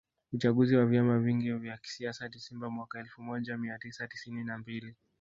Uchaguzi wa vyama vingi vya kisiasa Desemba mwaka elfumoja miatisa tisini na mbili